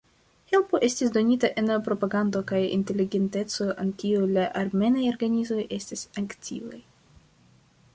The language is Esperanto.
Helpo estis donita en propagando kaj inteligenteco en kiuj la armenaj organizoj estis aktivaj.